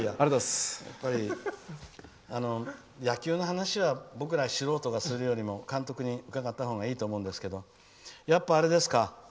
やっぱり野球の話は僕ら素人がするよりも監督に伺ったほうがいいと思うんですけどやっぱ、あれですか。